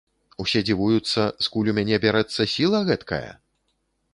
Усе дзівуюцца, скуль у мяне бярэцца сіла гэткая?